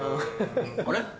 あれ？